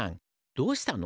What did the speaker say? どうしたの？